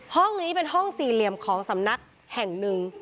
ห้องนี้เป็นห้องสี่เหลี่ยมของสำนักแห่งหนึ่ง